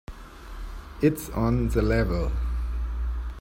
It's on the level.